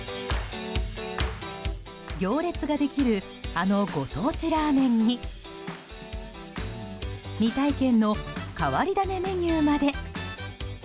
行列ができるあのご当地ラーメンに未体験の変わり種メニューまで。